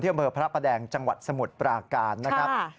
อำเภอพระประแดงจังหวัดสมุทรปราการนะครับ